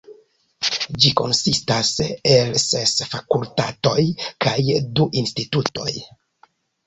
Ĝi konsistas el ses fakultatoj kaj du institutoj.